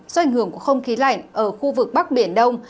do ảnh hưởng của không khí lạnh ở khu vực bắc biển đông